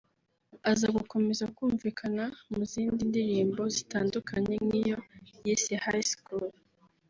aza gukomeza kumvikana mu zindi ndirimbo zitandukanye nk’iyo yise High school